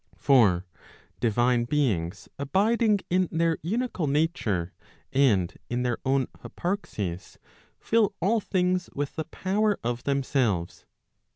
For divine beings abiding in their unical nature, and in their own hyparxis, fill all things with the power of themselves.